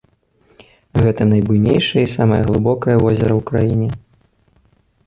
Гэта найбуйнейшае і самае глыбокае возера ў краіне.